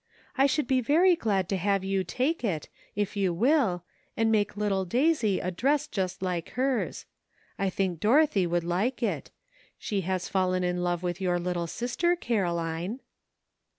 I should be very glad to have you take it, if you will, and make little Daisy a dress just like hers. I think Dorothy would like it. She has fallen in love with your little sister, Caroline."